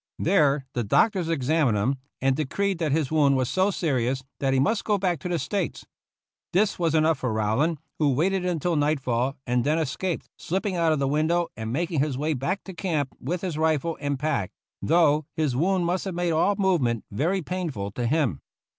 There the doc tors examined him, and decreed that his wound was so serious that he must go back to the States. This was enough for Rowland, who waited until nightfall and then escaped, slipping out of the window and making his way back to camp with his rifle and pack, though his wound must have made all movement very painful to him.